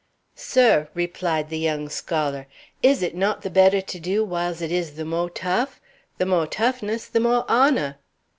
"Sir," replied the young scholar, "is it not the better to do whilse it is the mo' tough? The mo' toughness, the mo' honor."